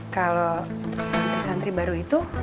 kalau santri santri baru itu